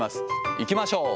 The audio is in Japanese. いきましょう。